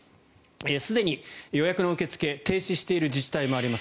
すでに予約の受け付け停止している自治体もあります。